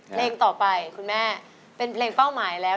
เพลงต่อไปคุณแม่เป็นเพลงเป้าหมายแล้ว